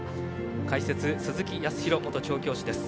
解説、鈴木康弘元調教師です。